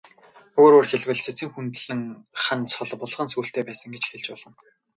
Өөрөөр хэлбэл, Сэцэн хүндлэн хан цол булган сүүлтэй байсан гэж хэлж болно.